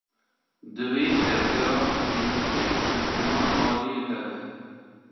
Divê tevgera pênûsê di heman aliyî de be.